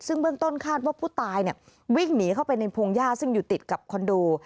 ซึ่งเบื้องต้นคาดว่าผู้ตายวิ่งหนีเข้าไปในพงหญ้าซึ่งอยู่ติดกับคอนโด